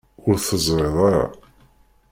Ur teẓriḍ ara.